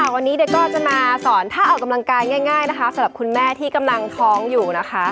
วันนี้เดี๋ยวก็จะมาสอนถ้าออกกำลังกายง่ายนะคะสำหรับคุณแม่ที่กำลังท้องอยู่นะคะ